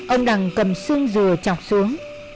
ông đằng cầm xương dừa chọc xuống